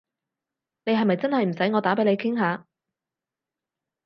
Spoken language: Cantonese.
你係咪真係唔使我打畀你傾下？